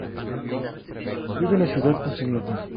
Vive en la ciudad con su nieta.